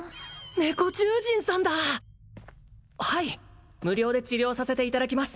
猫獣人さんだはい無料で治療させていただきます